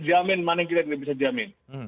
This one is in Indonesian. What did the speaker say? jamin mana yang kita tidak bisa jamin